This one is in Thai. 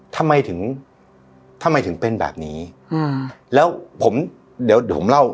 ทำไมถึงทำไมถึงเป็นแบบนี้อืมแล้วผมเดี๋ยวเดี๋ยวผมเล่า